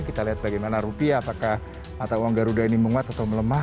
kita lihat bagaimana rupiah apakah mata uang garuda ini menguat atau melemah